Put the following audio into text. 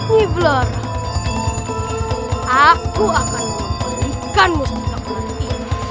niblora aku akan memberikan mustika ular ini